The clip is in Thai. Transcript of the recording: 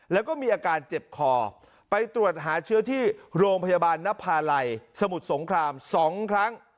แล้วก็มีอาการเจ็บคอไปตรวจหาเชื้อที่โรงพยาบาลนภาลัยสมุทรสงคราม๒ครั้ง